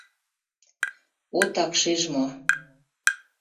Отак шиж мо.